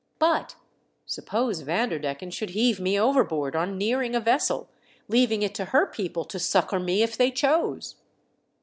But sup pose Vanderdecken should heave me over board on nearing a vessel, leaving it to her people to succour me if they chose